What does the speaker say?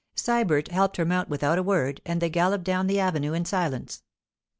Sybert helped her to mount without a word, and they galloped down the avenue in silence.